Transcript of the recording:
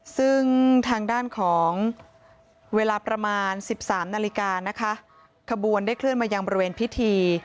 ซึ่งทางด้านของเวลาประมาณ๑๓นาฬิกานะคะขบวนได้เคลื่อนมายังบริเวณพิธี